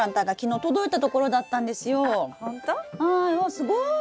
すごい！